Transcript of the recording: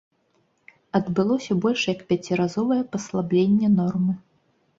Адбылося больш як пяціразовае паслабленне нормы.